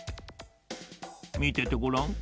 みててごらん。